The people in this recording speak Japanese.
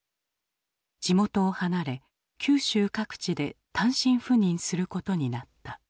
地元を離れ九州各地で単身赴任することになった。